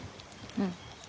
うん。